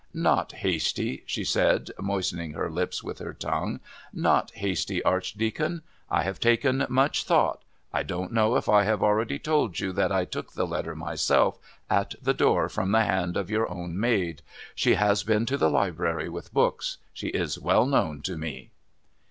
"Not hasty," she said, moistening her lips with her tongue. "Not hasty, Archdeacon. I have taken much thought. I don't know if I have already told you that I took the letter myself at the door from the hand of your own maid. She has been to the Library with books. She is well known to me."